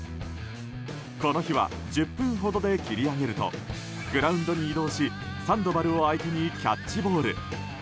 この日は１０分ほどで切り上げるとグラウンドに移動しサンドバルを相手にキャッチボール。